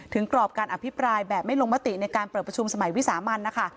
กรอบการอภิปรายแบบไม่ลงมติในการเปิดประชุมสมัยวิสามันนะคะ